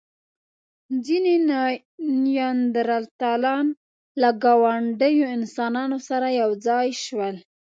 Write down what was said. ځینې نیاندرتالان له ګاونډيو انسانانو سره یو ځای شول.